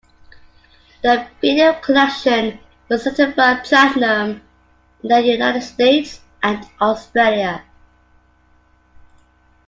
The video collection was certified Platinum in the United States and Australia.